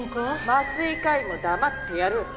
麻酔科医も黙ってやる。